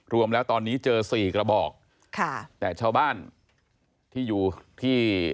รวมแล้วตอนนี้เจอสี่กระบอกค่ะแต่ชาวบ้านที่อยู่ที่